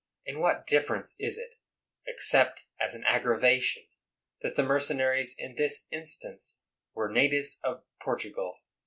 And what difference is it, except as an aggravation, that the mercenaries in this instance were natives of Portugal.